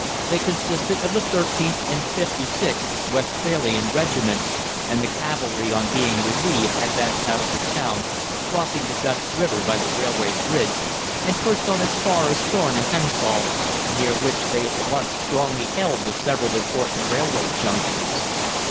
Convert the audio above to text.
They consisted of the 13th and 56th Westphalian Regiments, and the cavalry on being relieved advanced out of the town, crossing the Dutch River by the railway bridge, and pushed on as far as Thorne and Hensall, near which they at once strongly held the several important railway junctions.